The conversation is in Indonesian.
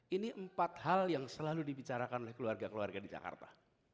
ini empat hal yang selalu dibicarakan oleh keluarga keluarga di jakarta